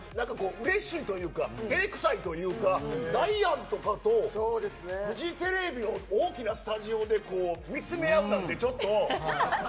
うれしいというか照れ臭いというかダイアンとかとフジテレビの大きなスタジオで見つめ合うなんて、ちょっと。